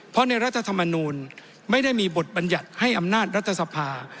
เพราะในรัฐธรรมนูลไม่ได้มีบทบัญญัติให้อำนาจรัฐสภา